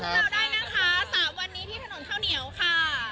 เราได้นะคะ๓วันนี้ที่ถนนข้าวเหนียวค่ะ